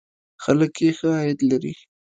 خلک یې ښه عاید لري.